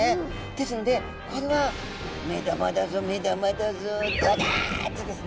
ですのでこれは目玉だぞ目玉だぞどうだ！ってですね